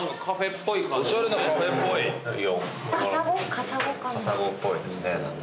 カサゴっぽいですね。